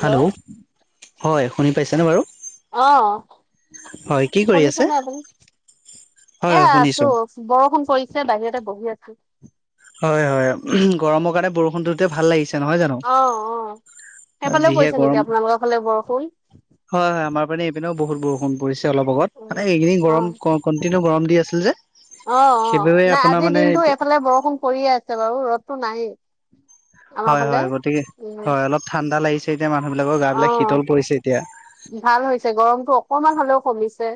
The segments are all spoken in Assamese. হেল্ল' হয় শুনি পাইছেনে বাৰু অ হয় কি কৰি আছে? শুনিছনে আপুনি হয় এ হয় আছো। শুনিছো বৰষুণ পৰিছে বাহিৰতে বহি আছো। হয় হয় গৰমৰ কাৰণে বৰষুণটোতে ভাল লাগিছে নহয় জানো। অ অ সেইফালেও যিহে পৰিছে গৰম নেকি আপোনালোকৰ ফালে বৰষুণ। হয় হয় আমাৰ মানে এই পিনেও বহুত বৰষুণ পৰিছে। অলপ আগত মানে এইখিনি অ গৰম কন্টিনিউ গৰম দি আছে যে। অ অ সেইবাবে নাই আপোনাৰ আজিৰ মানে দিনটো এতিয়া, এইফালে বৰষুণ পৰিয়ে আছে বাৰু ৰ'দতটো নাইয়ে। হয় হয় গতিকে উম হয় অলপ ঠাণ্ডা লাগিছে এতিয়া মানুহ বিলাকৰ গা অ বিলাক শীতল পৰিছে এতিয়া। ভাল হৈছে গৰমতটো অকমান হলেও কমিছে।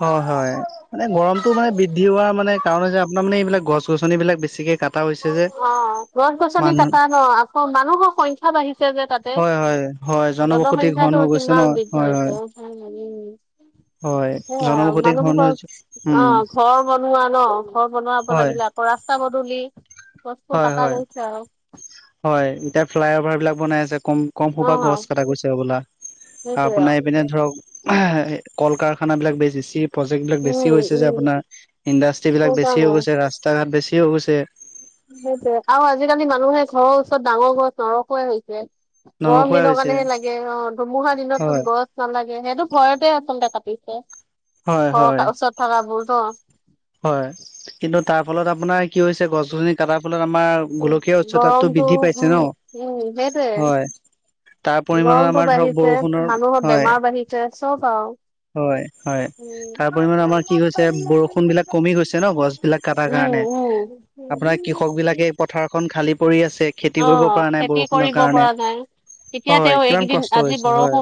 হয় হয়। মানে গৰমটো মানে বৃদ্ধি হোৱা মানে কাৰণ হৈছে আপোনাৰ মানে এইবিলাক গছ গছনি বিলাক বেছিকে কাট অ গছ গছনিত এটা ন আকৌ মানুহৰ সংখ্যা বাঢ়িছে যে তাত, হয় হয় হয় জনবসতি ঘন জনসংখ্ৰাটো হৈ গৈছে ন কিমান বৃদ্ধি হয় হয় হৈছে [unintelligible] হয় সে আও জনবসতি মানুহৰ ঘন পৰা হৈ অ, উম ঘৰ বনোৱা ন ঘৰ বনোৱাব হয় লাগিলে। ৰাস্তা পদূলি গছবোৰ হয় কটা হয় গৈছে আৰু হয়, এতিয়া। ফ্লাইঅ'ভাৰবিলাক বনাই আছে। কম, কম সোপা অ', গছ কটা গৈছে বোলা সেইটোৱে আপোনাৰ আৰু এইপিনে ধৰক। কল, কাৰখানাবিলাক বেছিছি। প্ৰজেক্টবিলাক বেছি উম, গৈ হৈছে উম, যে আপোনাৰ ইণ্ডাষ্ট্ৰ্ৰী বিলাক বেছি হৈ সেইকাৰণে গৈছে ৰাস্তা ঘাট বেছি হৈ গৈছে। সেই আৰু আজিকালি মানুহে ঘৰৰ ওচৰত ডাঙৰ গছ নৰখোৱাই হৈছে। গৰম নৰখুৱাই দিনৰ হৈছে কাৰণেহে লাগে অ, ধুমুহা দিনত হয় চোন গছ নালাগে সেইটো ভয়তে আচলতে কাটিছে হয় হয় ঘৰৰ ওচৰত থকাবোৰ ন'। হয় কিন্তু তাৰ ফলত আপোনাৰ কি হৈছে গছ-গছনি কটাৰ ফলত আমাৰ গোলকীয় উচ্চতাপটো গৰমটো বৃদ্ধি পাইছে উম, ন উম, সেইটোৱে হয়। তাৰ পৰিমানত গৰমটো আমাৰ ধৰক বাঢ়িছে বৰষুণৰ মানুহৰ হয়। বেমাৰ বাঢ়িছে চব আৰু হয়, হয় উম। তাৰ পৰিমাণে আমাৰ কি কৈছে বৰষুণ বিলাক। কমি গৈছে ন গছ বিলাক কাটাৰ উম কাৰণে আপোনাৰ কৃষক উম বিলাকে। পথাৰখন খালী পৰি আছে খেতি অ কৰিব পৰা নাই খেতি বৰষুণৰ কৰিব কাৰণে। পৰা নাই তেতিয়া হয়, কিমান কষ্ট হৈছে হয়।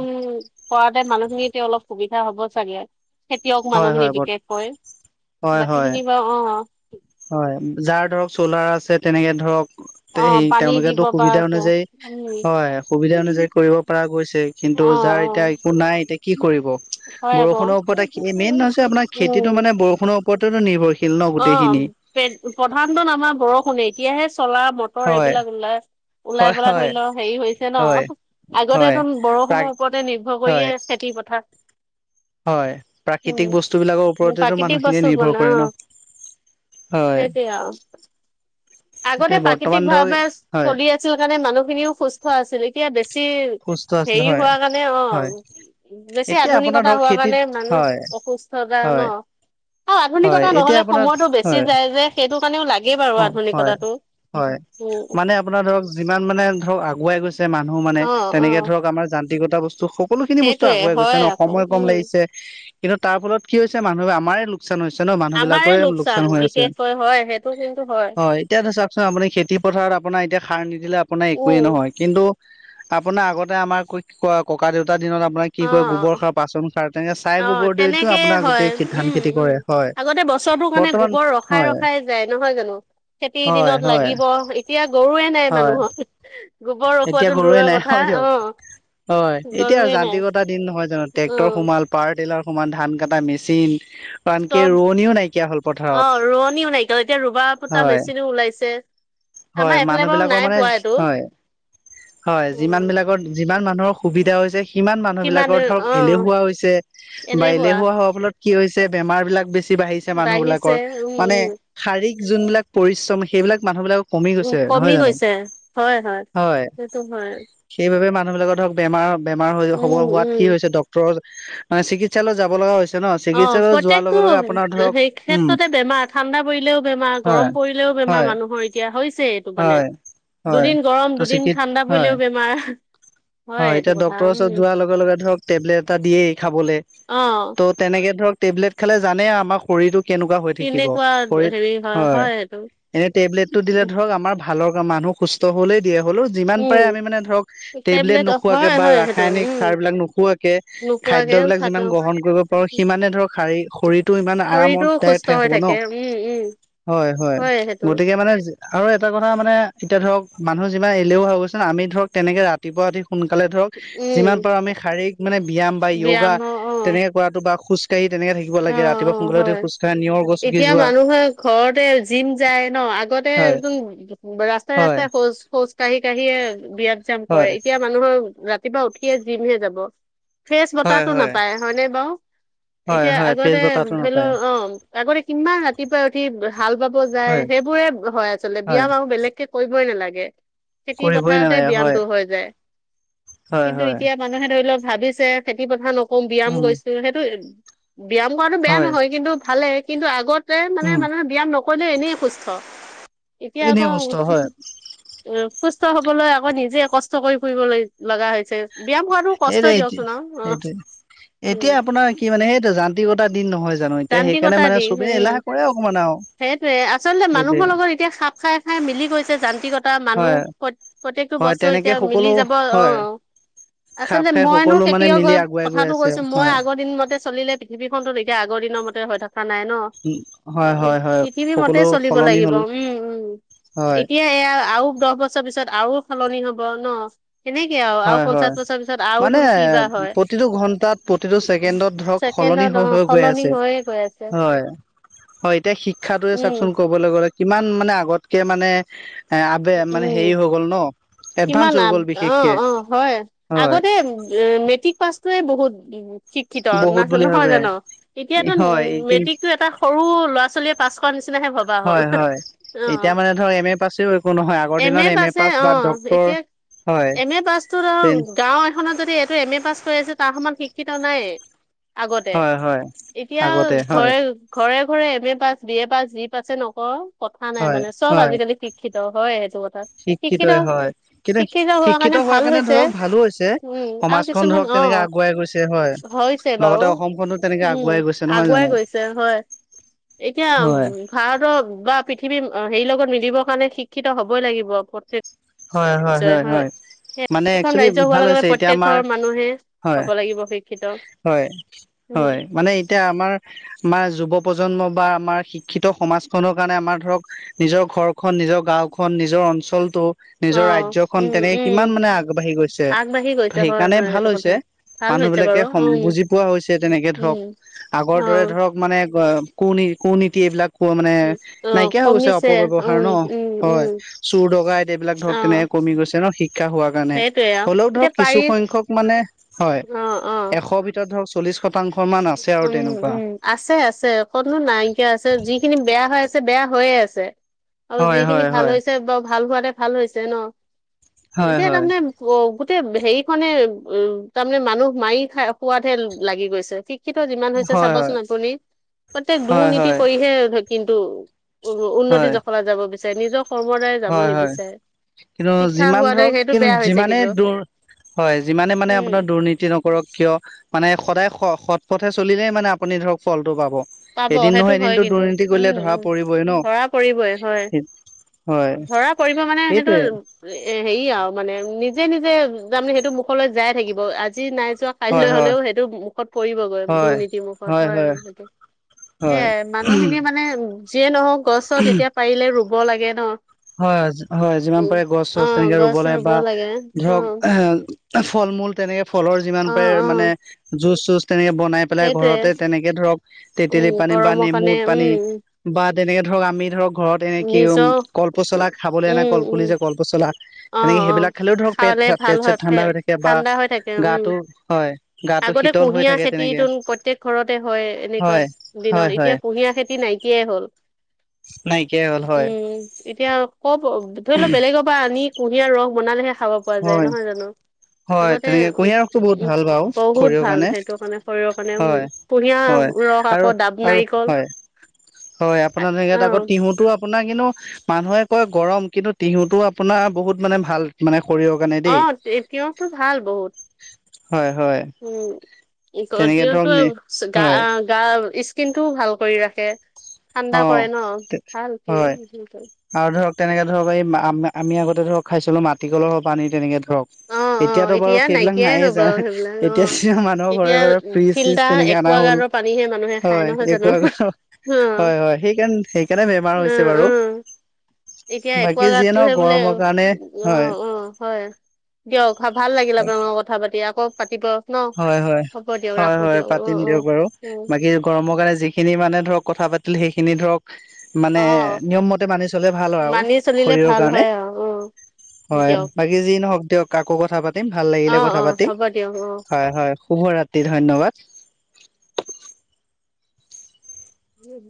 কৰাতে মানুহখিনিতে অলপ সুবিধা হ'ব চাগে। খেতিয়ক হয় মানুহখিনি হয় বিশেষ কৈ হয় বাকী হয় খিনি বাৰু অ'। হয় যাৰ ধৰক চলাৰ আছে তেনেকে ধৰক। অ সেই পানী দিব তেওঁলোকেতো পৰা সুবিধা হৈছে অনুযায়ী হয় সুবিধা উম অনুযায়ী কৰিব পৰা গৈছে। অ কিন্তু যাৰ এতিয়া একো নাই এতিয়া কি কৰিব। অ হয় আকৌ বৰষুণৰ ওপৰতে মেইন হৈছে আপোনাৰ খেতিটো উম মানে বৰষুণৰ ওপৰতো নিৰ্ভৰশীল। ন অ গোটেইখিনি প প্ৰধানত আমাৰ বৰষুণে এতিয়াহে চলাৰ, মটৰ হয় এইবিলাক ওলাই। ওলাই হয় পেলা ধৰি হয় ল' হেৰি হৈছে হয় ন' হয় আগতেতো প্ৰা বৰষুণৰ ওপৰতে নিৰ্ভৰ হয় কৰিয়ে খেতি- পথাৰ। হয় প্ৰাকৃতিক বস্তু বিলাকৰ উম, ওপৰতেতো প্ৰাকৃতিক মানুহখিনিয়ে বস্তু হ'ব নিৰ্ভৰ কৰে ন'। হয় সেইতটো আও। আগতে এতিয়া বৰ্তমান প্ৰাকৃতিক ধৰক ভাৱে হয় চলি আছিল কাৰণে মানুহখিনিও সুস্থ। আছিল এতিয়া বেছি সুস্থ আছিলে হেৰি হয় হোৱা কাৰণে হয় অ'। বেছি এতিয়া আপোনাৰ আধুনিকতা ধৰক হোৱা খেতিত কাৰণে হয় মানুহ অসুস্থতা হয় ন'। আৰু হয় আধুনিকতা এতিয়া নহ'লে আপোনাৰ সময়তটো বেছি হয় যায় যে সেইটো কাৰণেও লাগেই বাৰু অ আধুনিক হয়, হয় মানে আপোনাৰ ধৰক যিমান মানে ধৰক আগুৱাই গৈছে মানুহ মানে। অ', তেনেকে অ'। ধৰক আমাৰ যান্ত্ৰিকতা বস্তু সকলোখিনি বস্তু সেইটোয়ে আগুৱাই গৈছে হয় ন আকৌ সময় কম উম লাগিছে। কিন্তু তাৰ ফলত কি হৈছে মানুহ আমাৰে লোকচান হৈছে ন মানুহ আমাৰে বিলাকৰে লোকচান হৈ আছে। বিশেষকৈ হয় সেইটো। হয় এতিয়াতো চাওকচোন আপুনি খেতি পথাৰত আপোনাৰ এতিয়া সাৰ নিদিলে আপোনাৰ অ একোৱয়ে নহয়। কিন্তু আপোনাৰ আগতে আমাৰ ক ককা, দেউতাৰ দিনত আপোনাক কি কয় গোবৰ খাৰ, বাচন খাৰ তেনেকে চাই অ গোবৰ দতো তেনেকেই আপোনাৰ হয় গোটেই খ ধান উম খেতি উম কৰে। হয় আগতে বছৰটো মানে বৰ্তমান গোবৰ ৰখাই হয় ৰখাই। যাই নহয় জানো খেতিৰ হয় দিনত হয় লাগিব এতিয়া গৰুৱে নাই হয় মানুহৰ। গোবৰ এতিয়া ৰখোৱাটো গৰুৱে দূৰৰ নাই কথা হয় দিয়ক অ' গৰুৱে নাই। এটা দিন নহয় জানো অ ট্ৰেক্টৰ সোমাল পাৱাৰ টিলাৰ সোমাল ধান কটা মেচিন। আনকে চব ৰোৱনীও নাইকিয়া হ'ল অ পথাৰত ৰোৱনীও নাইকিয়া এতিয়া ৰুবা পোতা হয়। মেচিনো ওলাইছে আমাৰ হয়, এইফালে মানুহ বাৰু বিলাকৰ নাই মানে পোৱা এইটো হয়। হয়, উ যিমান বিলাকৰ যিমান মানুহৰ সুবিধা হৈছে। কিমান মানুহ বিলাকৰ ধৰক এলেহুৱা হৈছে বা এলেহুৱা হোৱাৰ ফলত কি হৈছে বেমাৰ বিলাক বেছি বাঢ়িছে মানুহ বাঢ়িছে বিলাকৰ উম মানে উম শাৰীৰিক যোনবিলাক পৰিশ্ৰম সেইবিলাক মানুহ বিলাকক উ কমি গৈছে হয়-হয়। হয়, সেইবাবে মানুহবিলাকৰ ধৰক বেমাৰ, বেমাৰ হৈ হ'ব উম, হোৱাত উম। কি হৈছে ডক্টৰ চিকিৎসালয়ত যাব লগা হৈছে। ন অ চিকিৎসালয়ত যোৱাৰ প্ৰত্যেকতটো লগে লগে আপোনাৰ ধৰক সেই উম ক্ষেত্ৰতে বেমাৰ ঠাণ্ডা পৰিলেও বেমাৰ হয় গৰম পৰিলেও বেমাৰ হয় মানুহৰ এ এতিয়া হৈছে এইটো মানে হয় হয় দুদিন গৰম ত দুদিন চিকিৎ ঠাণ্ডা হয় পৰিলেও বেমাৰ৷ হয় সেইটো এতিয়া কথা ডক্টৰৰ উম। ওচৰত যোৱাৰ লগে লগে ধৰক টেবলেট এটা দিয়েই খাবলৈ অ', ত'ত তেনেকে ধৰক টেবলেট খালে জানে আমাৰ শৰীৰটোক কেনেকুৱা হৈ থাকিব কেনেকুৱা শৰীৰত হেৰি হয়৷ এইটো। এনে টেবলেটতটো দিলে ধৰক আমাৰ ভালৰ মানুহ সুস্থ হলেই দিয়া হ'লো যিমান পাৰে উম, আমি মানে ধৰক টেবলেট নোখোৱাকে হয়, বা হয় সেইটো ৰাসায়নিক উম, সাৰ বিলাক নোখোৱাকে নোখোৱাকে খাদ্যবিলাক যিমান থাকা গ্ৰহন কৰিব সিমানে ধৰক শাৰী শৰীৰটো ইমান শৰীৰটোও আৰামতদায়ক সুস্থ থাকিব [unintelligible] হৈ হ'ব ন থাকে উম, উম, হয়-হয় হয় সেইটো। গতিকে এয়া মানে আৰু এটা কথা মানে এতিয়া ধৰক মানুহ যিমান এলেহোৱা হৈ গৈছে আমি ধৰক তেনেকে ৰাতিপুৱা সোনকালে ধৰক উম, যিমান পাৰো আমি শাৰীৰিক মানে ব্যায়াম বা য়গা তেনেকে কৰাটো বা খুস্থ অঁ-অঁ হয় নিয়ৰ গছকি এতিয়া যোৱা মানুহে ঘৰতে জিম যায় ন আগতে হয় হয় ৰাস্তাই-ৰাস্তাই খোজ খোজ কাঢ়ি কাঢ়িয়ে বিয়াত জাম কৰে হয় এতিয়া মানুহৰ ৰাতিপুৱা উঠিয়ে জিমহে যাব৷ ফ্ৰেচ হয় বতাহটো হয় নাপায় হয়নে বাৰ হয় এতিয়া হয় ফ্ৰেছ আগতে বতাহটো ধৰি নাপায় লও অ আগতে কিমান ৰাতিপুৱাই উঠি হাল বাব যায় হয় সেইবোৰে হয় আচলতে হয় বিয়াম আৰু বেলেগকে কৰিবই নালাগে খেতি কৰিবই পথাৰতে নালাগে হয় ব্যায়ামটো হৈ যায় হয় কিন্তু হয় এতিয়া মানুহে ধৰি লওক ভাবিছে খেতি পথাৰ নকৰো ব্যায়াম উম গৈছো সেইটো ব্যায়াম কৰাটো বেয়া হয় নহয় কিন্তু ভালে কিন্তু আগতে মানে উম মানুহে ব্যায়াম নক কলে এনেই সুস্থ [unintelligible] এতিয়া এনেই কষ্ট আকৌ হয় উ সুস্থ হবলৈ আকৌ নিজে কষ্ট কৰি ফুৰিবলৈ লগা হৈছে। ব্যায়াম কৰাটো এই কষ্টই দিয়কচোন আও অ এইটো এতিয়া উম। আপোনাৰ কি মানে সেইটো যান্ত্ৰিকতা দিন নহয় জানো? এতিয়া সেইকাৰণে যান্ত্ৰিকতা মানে দি চবে উম এলাহ কৰে অকমান আও। সেইটোয়ে আচলতে মানুহৰ লগত এতিয়া খাপ খাই-খাই মিলি গৈছে যান্ত্ৰিকত এটা মানুহ হয় প্ৰ প্ৰত্যেকটো হয় বস্তু তেনেকে এতিয়া মিলি সকলো যাব অ হয় খাপ আচলতে খাই মইনো সকলো মানে খেতিয়ক মিলি হৈ আগুৱাই গৈ কথাটো আছে কৈছো মই হয় আগৰ দিন মতে চলিলে পৃথৱীখনতো এতিয়া আগ দিনৰ মতে হৈ থকা নাই৷ ন উম পৃথিৱী মতে চলিব লাগিব হ'ল উম-উম হয় এতিয়া এয়া আৰু দহ বছৰ ত পিছত আৰু সলনি হ'ব ন সেনেকে আৰু আৰু হয় পঞ্চাশ হয় বছৰ পিছত আৰু মানে তোন কি বা হয়৷ প্ৰতিটো ঘন্টাত প্ৰতিটো ছেকেণ্ডত ধৰক চেকেণ্ড সলনি হৈ ন হৈ আছে, হয়-হয় এতিয়া শিক্ষাটোয়ে উম চাওকচোন ক কবলৈ গলে কিমান মানে আগতকে মানে এ আবে মানে উম হেৰি হৈ গ'ল ন এডভান্স হৈ গ'ল বিশেষ অ-অ হয় আগতে মেট্ৰিক পাছটোয়ে বহুত শিক্ষিত বহুত [inaudible] বুলি নহয় ভাবে জানো? এতিয়াতো উ হয় এইখিন মেট্ৰিকটো এটা সৰু ল'ৰা ছোৱালীয়ে পাছ কৰা নিচিনাহে ভবা হ'ল। হয় হয় এতিয়া অ। মানে এম এ পাছেও একো নহয় আগৰ দিনত এম এ পাছে পাছ বা অ', ডক্তৰ এতিয়া হয়। এম এ পাছতো আৰু গাঁও এখনত যদি এইটো এম এ পাছ কৰি আছে তাৰ সমান শিক্ষিত নাইয়ে। আগতে, হয় হয় এতিয়া আগতে হয় ঘৰে ঘৰে-ঘৰে M A pass B A pass যি পাছে নকৰক কথা নাই হয় মানে চব হয় আজিকালি শি শিক্ষিত হয় সেইটো কথা। শিক্ষিতই হয় কিন্তু শিক্ষিত-শিক্ষিত হোৱা শিক্ষিত কাৰণে হোৱাৰ ভাল হৈছে, ধৰক ভালো হৈছে উম আৰু সমাজখন কিছুমান ধৰক অ তেনেকে আগুৱাই গৈছে হয় হৈছে বাৰু লগতে অসমখনো তেনেকে উম আগুৱাই গৈছে নহয় আগুৱাই জানো গৈছে হয় এতিয়া হয় ভাৰতৰ বা পৃথিৱী হেৰি লগত মিলিবৰ কাৰণে শিক্ষিত হবই লাগিব প্ৰত্যেক ৰাজ্যই হয় হয়-হয়-হয়-হয়। সেই মানে প্ৰত্যেকখন একচেলি ৰাজ্য হোৱাৰ ভাল লগে হৈছে লগে এতিয়া প্ৰত্যেক আমাৰ ঘৰৰ মানুহে হয় হব লাগিব শিক্ষিত হয়। উম হয় মানে এতিয়া আমাৰ আমাৰ যুৱ প্ৰজন্ম বা আমাৰ শিক্ষিত সমাজখনৰ কাৰণে আমাৰ ধৰক নিজৰ ঘৰ খন নিজৰ গাও খন নিজৰ অঞ্চলতটো, অ নিজৰ ৰাজ্যখন উম তেনেকে উম কিমান মানে আগবাঢ়ি গৈছে, আগবাঢ়ি গৈছে হয় সেইকাৰণে হয় ভাল সেইটো কথা হৈছে। ভাল মানুহ হৈছে বিলাকে বাৰু উম বুজি পোৱা হৈছে, তেনেকে ধৰক উম আগৰ অ দৰে ধৰক মানে কী কু নীতি এইবিলাক কোৱা মানে অ নাইকিয়া হৈ গৈছে কমিছে অপব্যৱহাৰ উম ন উম হয় উম চোৰ ডকাঁইট এইবিলাক অ ধৰক তেনেকে কমি গৈছে ন শিক্ষা হোৱা কাৰণে। সেইটোৱে আৰু হ'লেও এতিয়া ধৰক পাৰি কিছুসখ্যক মানে হয়। অ উম, এশৰ ধৰক চল্লিশ শতাংশ মান আছে আৰু তেনেকুৱা। উম, আছে আছে অকনো নাইকিয়া আছে যিখিনি বেয়া হৈ আছে বেয়া হৈয়ে আছে। আৰু হয় যিখিনি হয় ভাল হয় হৈছে বাৰ ভাল হোৱাতে ভাল হৈছে ন। হয় এতিয়া হয়। তাৰমানে অ গোটেই হেৰিখনে অ তাৰমানে মানুহ মাৰি খাই সোৱাদহে লাগি গৈছে। শিক্ষিত যিমান হৈছে হয় চাবচোন আপুনি প্ৰত্যেক হয় হয় দুৰ্নীতি হয় কৰিহে কিন্তু উ উন্নতি হয় জখলাত যাব বিচাৰে নিজৰ কৰ্ম দ্বাৰাই যাব হয় হয় নিবিচাৰে। কিন্তু শিক্ষা যিমান হোৱাটো ধৰক সেইটো কিন্তু বেয়া হৈছে যিমানে কিন্তু দৰ হয় যিমানে মানে উম, আপোনাৰ দুৰ্নীতি নক কৰক কিয় মানে সদায় সৎ পথে চলিলেই মানে আপুনি ধৰক ফলটো পাব। পাব এদিন সেইটো নহয় হয় এদিনতো দুৰ্নীতি কৰিলে ধৰা পৰিবই ন। কৰিবই হয় হয় ধৰা পৰিব মানে সেইটো, সেইটোৱে এ হেৰি আৰু মানে নিজে নিজে তাৰমানে সেইটো মুখলৈ যাই থাকিব আজি নাই যোৱা। হয় কাইলৈ হয় হলেও সেইটো মুখত পৰিবগৈ দুৰ্নীতিৰ মুখত হয় সেইটো, হয় এয়াই মানুহখিনিয়ে মানে যিয়ে নহওক গছ চছ এতিয়া পাৰিলে ৰুব লাগে ন। হয় হয় যিমান উম পাৰে গছ অ চছ তেনেকে ৰুব গছ লাগে বা অ ধৰক এ ফল মূল তেনেকে ফলৰ যিমান অ পাৰে অ মানে জুচ চুচ তেনেকে বনাই পেলাই সেইটোৱে ঘৰতে তেনেকে ধৰক উম তেতেলী পানী বা গৰমৰ কাৰণে নেমুত পানী, উম বা তেনেকে ধৰক আমি ধৰক ঘৰত এনে কি নিজৰ কলপচলা খাবলৈ আনা উম উম কলপুলি যে কলপচলা। অ অ খাবালে ভাল চেট হয় ঠাণ্ডা হৈ থাকে বা ঠাণ্ডা হৈ থাকে উম। গাটো হয় গাটো আগতে শীতল হৈ কুঁহিয়াৰ থাকে তেনেকে খেতিতো প্ৰত্যয়েক ঘৰতে হয় এনেকুৱা হয় দিনত হয় এতিয়া হয় কুঁহিয়াৰ খেতি নাইকিয়াই হ'ল। নাইকিয়াই হ'ল হয় উম এতিয়া কব ধৰি লও বেলেগৰ পৰা আনি কুঁহিয়াৰ ৰস বনালেহে খাব পৰা যায় হয় নহয় জানো। হয় আগতে তেনেকে উ কুঁহিয়াৰ ৰসটো বহুত উ ভাল বাৰু বহুত শৰীৰৰ ভাল সেইটো কাৰণে শৰীৰৰ কাৰণে হয় উ, হয় কুহিয়াৰ ৰস আৰু আকৌ দাব আৰু নাৰিকল। হয় হয় আপোনাৰ অ জেগাত আকৌ তিহুতো আপোনাৰ কিন্তু মানুহে কয় গৰম কিন্তু তিহুটো আপোনাৰ বহুত মানে ভাল মানে শৰীৰৰ, কাৰণে অ দেই তিয়হটো ভাল বহুত। হয় হয়। উম কৰি তেনেকে দ ধৰক নে তো গা, হয় গা স্কিনটোও ভাল কৰি ৰাখে অ ঠাণ্ডা কৰে ন ভাল হয় কি আৰু ধৰক তেনেকে ধৰক এই আমি আগতে ধৰক খাই চিলো মাটিকলহৰ পানী তেনেকে ধৰক, অ অ এতিয়াতো বাৰু এতিয়া সেইবিলাক নাইকিয়াই নাইয়ে হ'ব জান সেইবিলাক অ এতিয়া মানুহৰ এতিয়া ঘৰে ঘৰে ফ্ৰিজ চিজ ফিল্টাৰ তেনেকে অনা হল। একুৱাগাৰ্ডৰ পানীহে মানুহে খাই নহয় হয় জানো একো অ হয় হয় সেইকাৰণ সেইকাৰণে বেমাৰ উম হৈছে বাৰু, উম এতিয়া বাকী যিয়ে নহওক একোৱাগাৰতটোহে বোলে গৰমৰ কাৰণে উ হয় অ অ হয়। দিয়ক ভাল লাগিলে আপোনা লগত কথা পাতি আকৌ পাতিব। ন হয় হয় হ'ব দিয়ক হয় ৰাখো হয় দিয়ক অ পাতিম অ দিয়ক বাৰু উম বাকী, গৰমৰ কাৰণে যিখিনি মানে ধৰক কথা পাতিল সেইখিনি ধৰক, মানে অ নিয়ম মতে মানি চলে ভাল হয় আৰু মানি চলিলে শৰীৰৰ ভাল কাৰণে। হয় আৰু অ হয়, দিয়ক বাকী যি নহওক দিয়ক আকৌ কথা পাতিম ভাল লাগিলে কথা পাতি তেওঁ ঘৰ হয় হয়। শুভ ৰাত্ৰি ধন্যবাদ [inaudible]